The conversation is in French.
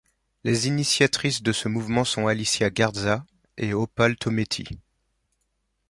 Les initiatrices de ce mouvement sont Alicia Garza, et Opal Tometi.